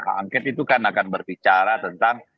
hak angket itu kan akan berbicara tentang